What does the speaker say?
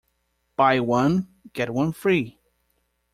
Buy one, get one free.